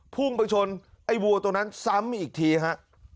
พุ่งไปชนไอ้วัวตัวนั้นซ้ำอีกทีฮะ